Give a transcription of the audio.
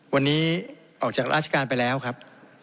วันนี้ออกจากราชการไปแล้วครับ